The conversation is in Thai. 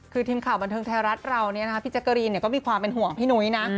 คือทีมข่าวบันเทิงไทยรัฐเราพี่แจ๊กกะรีนก็มีความเป็นห่วงพี่นุ้ยนะ